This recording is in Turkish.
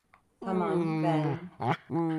Tamam, ben…